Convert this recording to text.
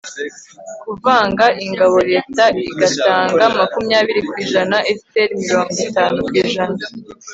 kuvanga ingabo, leta igatanga makumyabiri kw'ijana, fpr mirongo itanu kw'ijana